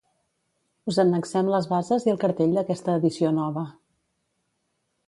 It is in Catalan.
Us annexem les bases i el cartell d'aquesta edició nova.